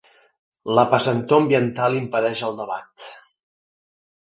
La pesantor ambiental impedeix el debat.